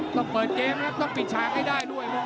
ต้องเปิดเจมส์แล้วต้องปิดช้างให้ได้ด้วย